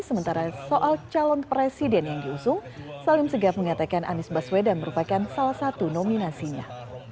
sementara soal calon presiden yang diusung salim segaf mengatakan anies baswedan merupakan salah satu nominasinya